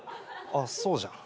あっそうじゃん。